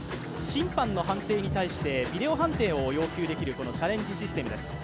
審判の判定に対してビデオ判定を要求できるチャレンジシステムです。